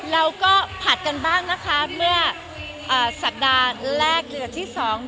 เราก็ผัดกันบ้างนะคะเมื่อสัปดาห์แรกเดือนที่สอง